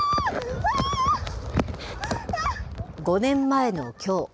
５年前のきょう。